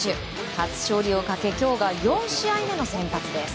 初勝利をかけ今日が４試合目の先発です。